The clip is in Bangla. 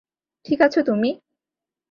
ঠিক আছো তুমি?